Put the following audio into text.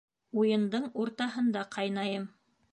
Уйындың уртаһында ҡайнайым.